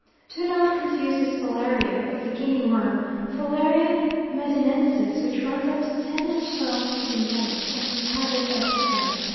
Do not confuse this Filaria with the Guinea worm, Filaria medinensis, which runs up to ten and twelve feet in length, and whose habits are different.